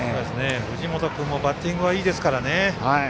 藤本君もバッティングはいいですからね。